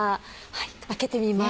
開けてみます。